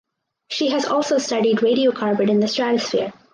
She has also studied radiocarbon in the stratosphere.